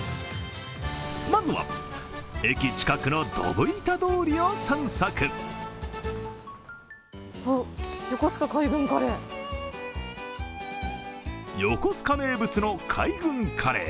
まずは、駅近くのどぶ板通りを散策あ、よこすか海軍カレー。